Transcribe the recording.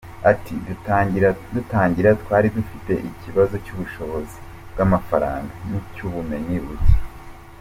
Ati “Dutangira twari dufite ikibazo cy’ubushobozi bw’amafaranga n’icy’ubumenyi buke.